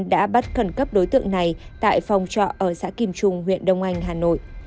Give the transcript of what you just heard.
đã bắt khẩn cấp đối tượng này tại phòng trọ ở xã kim trung huyện đông anh hà nội